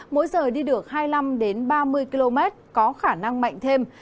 mỗi giờ đi được hai mươi năm ba mươi km có khả năng mạnh thêm